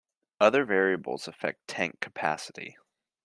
Other variables affect tank capacity.